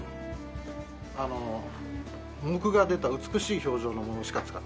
あの杢が出た美しい表情のものしか使ってないです。